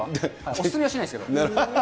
お勧めはしないですけど。